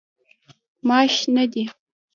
ماش شنه دي.